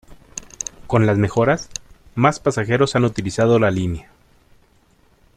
Con las mejoras, más pasajeros han utilizado la línea.